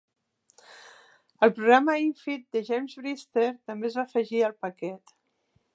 El programa "innfeed", de James Brister, també es va afegir al paquet.